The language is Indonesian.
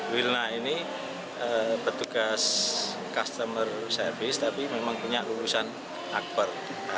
wilna ini petugas customer service tapi memang punya lulusan akbar